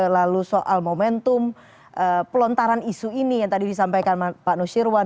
lalu soal momentum pelontaran isu ini yang tadi disampaikan pak nusirwan